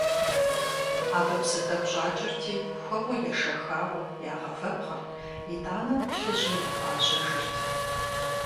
Абы псы тӏэкӏу щӏакӏэрти, хуэму ешэхауэ, ягъэвэпхъырт, итӏанэ плъыжьу ягъэжьэжырт.